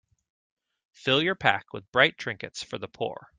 Fill your pack with bright trinkets for the poor.